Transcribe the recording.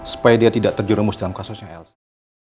supaya dia tidak terjerumus dalam kasusnya lc